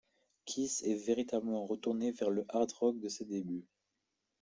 Kiss est véritablement retourné vers le hard rock de ses débuts.